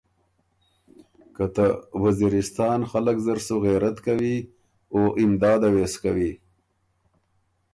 که ته وزیرستان خلق زر سُو غېرت کوی او امداده وې سو کوی۔